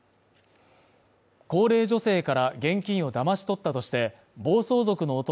高齢女性から現金をだまし取ったとして暴走族の男